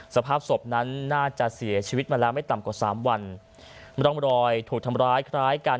สภาพศพนั้นน่าจะเสียชีวิตมาแล้วไม่ต่ำกว่าสามวันร่องรอยถูกทำร้ายคล้ายกัน